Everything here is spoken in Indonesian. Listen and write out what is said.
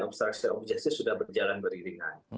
obstruction of justice sudah berjalan beriringan